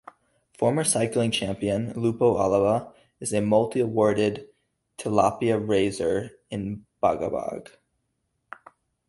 Former cycling champion Lupo Alava is a multi-awarded tilapia raiser in Bagabag.